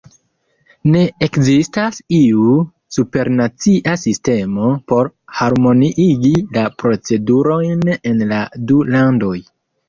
Ne ekzistas iu supernacia sistemo por harmoniigi la procedurojn en la du landoj.